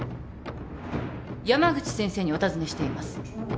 山口先生にお尋ねしています